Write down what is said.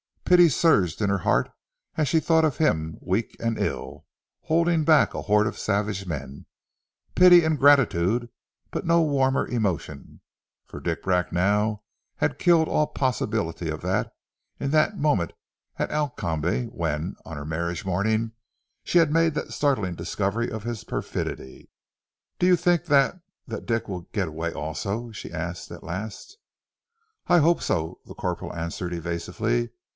Pity surged in her heart as she thought of him weak and ill, holding back a horde of savage men, pity and gratitude, but no warmer emotion, for Dick Bracknell had killed all possibility of that in that moment at Alcombe, when, on her marriage morning she had made that startling discovery of his perfidy. "Do you think that that Dick will get away also?" she asked at last. "I hope so," the corporal answered evasively.